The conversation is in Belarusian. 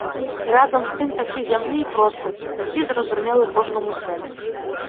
І разам з тым такі зямны і просты, такі зразумелы кожнаму сэнс.